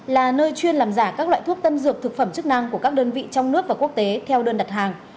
là nơi chuyên làm giả các loại thuốc tân dược thực phẩm chức năng của các đơn vị trong nước và quốc tế theo đơn đặt hàng